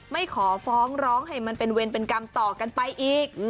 ไม่ขอฟ้องร้องให้มันเป็นเวรเป็นกรรมต่อกันไปอีก